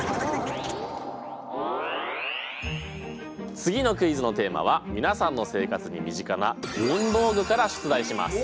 次のクイズのテーマは皆さんの生活に身近な文房具から出題します。